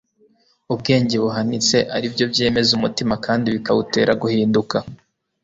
ubwenge buhanitse ari byo byemeza umutima kandi bikawutera guhinduka